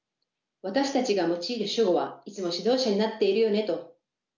私たちが用いる主語はいつも指導者になっているよねと。